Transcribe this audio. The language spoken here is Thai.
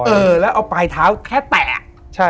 เออแล้วเอาปลาเท้าแค่แตะ